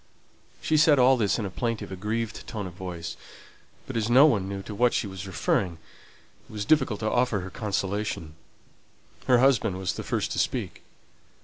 She said all this in a plaintive, aggrieved tone of voice; but as no one knew to what she was referring, it was difficult to offer her consolation. Her husband was the first to speak.